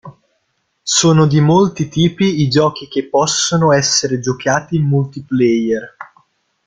Sono di molti tipi i giochi che possono essere giocati in multiplayer.